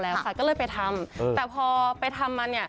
ไม่ว่าไปหาหมอสรรค่ะ